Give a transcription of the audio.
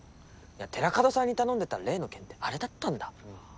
いや寺門さんに頼んでた例の件ってあれだったんだうわー